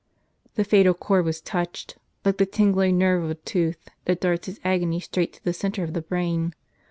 The fatal chord was touched, like the tingling nerve of a tooth, that darts its agony straight to the centre of the brain.